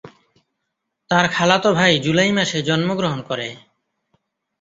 তার খালাতো ভাই জুলাই মাসে জন্মগ্রহণ করে।